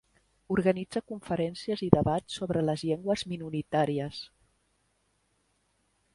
Organitza conferències i debats sobre les llengües minoritàries.